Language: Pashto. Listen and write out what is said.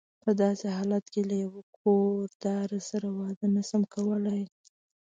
په داسې حالت کې له یوه کور داره سره واده نه شم کولای.